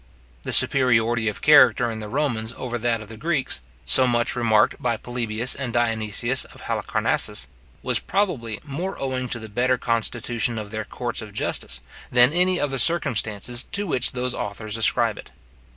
The superiority of character in the Romans over that of the Greeks, so much remarked by Polybius and Dionysius of Halicarnassus, was probably more owing to the better constitution of their courts of justice, than to any of the circumstances to which those authors ascribe it.